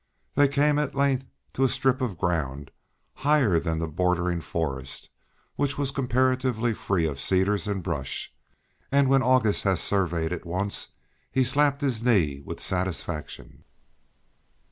They came at length to a strip of ground, higher than the bordering forest, which was comparatively free of cedars and brush; and when August had surveyed it once he slapped his knee with satisfaction.